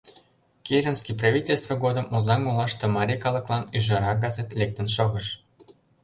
Керенский правительство годым Озаҥ олаште марий калыклан «Ӱжара» газет лектын шогыш.